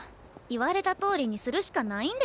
言われたとおりにするしかないんですの。